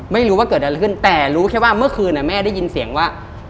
ไม่รู้ว่าเกิดอะไรขึ้นแต่รู้แค่ว่าเมื่อคืนแม่ได้ยินเสียงว่า